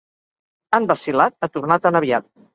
Han vacil·lat a tornar tan aviat.